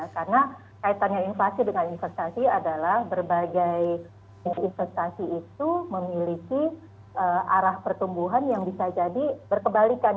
karena kaitannya inflasi dengan investasi adalah berbagai investasi itu memiliki arah pertumbuhan yang bisa jadi berkebalikan